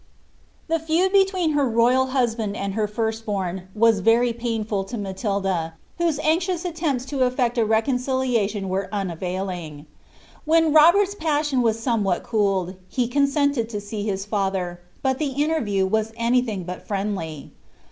The feud between her royal husband and her first bom was Very infnl to Matilda, whose anxious attempts to efiect a reconciliation were nvaOing. When Robert's passion was somewhat cooled, he consented see his father, bnt the interview was anything but friendly.